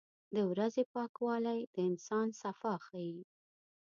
• د ورځې پاکوالی د انسان صفا ښيي.